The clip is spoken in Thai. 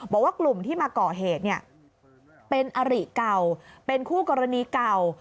บอกว่ากลุ่มที่มาก่อเหตุเนี่ยเป็นอริเก่าเป็นคู่กรณีเก่า